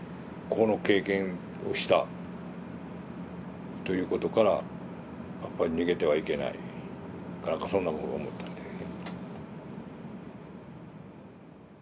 この経験をしたということからやっぱり逃げてはいけないかなんかそんなこと思ったんで。